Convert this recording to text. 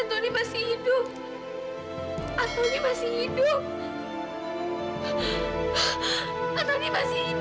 antoni masih hidup